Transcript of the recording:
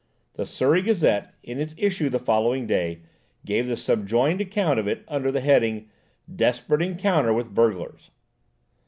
The Surrey Gazette, in its issue the following day, gave the subjoined account of it under the heading, "Desperate encounter with burglars."